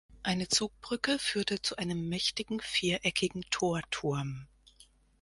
Eine Zugbrücke führte zu einem mächtigen viereckigen Torturm.